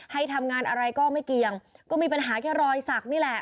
ให้ทำงานอะไรก็ไม่เกี่ยงก็มีปัญหาแค่รอยสักนี่แหละ